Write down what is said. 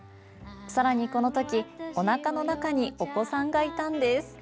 さらにこのとき、おなかの中にお子さんがいたんです。